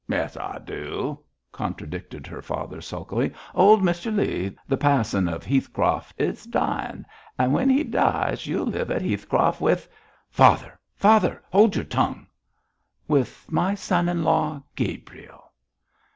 'Yes, I do,' contradicted her father, sulkily. 'Old Mr Leigh, th' pass'n of Heathcroft, is dying, and when he dies you'll live at Heathcroft with ' 'Father! father! hold your tongue!' 'With my son in law Gabriel!'